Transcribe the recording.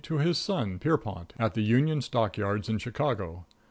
to his son, || Pierrepont, at the Union || Stock Yards in Chicago.